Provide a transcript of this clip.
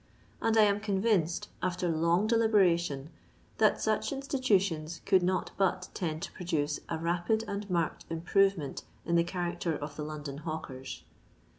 And I am convinced, after long deliberation, that such institutions could not but tend to produce a rapid and marked improvement in the character of the London Hawkers.